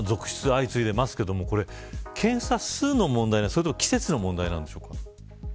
相次いでますけれども検査数の問題なんですかそれとも季節の問題なんでしょうか。